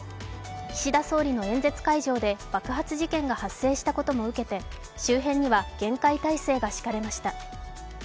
岸田総理の演説会場で爆発事件が発生したことも受けて周辺には厳戒態勢が敷かれました。